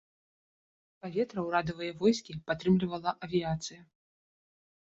З паветра ўрадавыя войскі падтрымлівала авіяцыя.